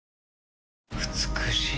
美しい。